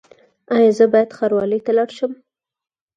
ایا زه باید ښاروالۍ ته لاړ شم؟